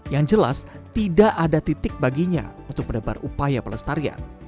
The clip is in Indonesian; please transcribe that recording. yang jelas tidak ada titik baginya untuk menebar upaya pelestarian